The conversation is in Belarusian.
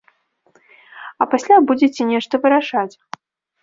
А пасля будзеце нешта вырашаць!